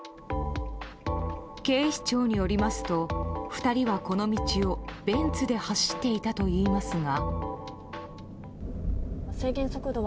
警視庁によりますと２人はこの道をベンツで走っていたといいますが。